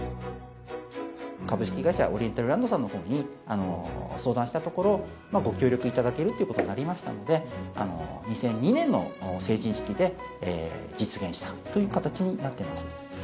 株式会社オリエンタルランドさんのほうに相談したところ、ご協力いただけるということになりましたので、２００２年の成人式で実現したという形になっています。